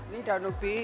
ini daun ubi